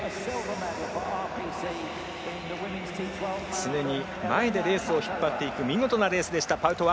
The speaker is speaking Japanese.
常に前でレースを引っ張っていく見事なレースでした、パウトワ。